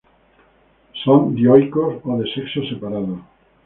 Son dioicos, o de sexos separados.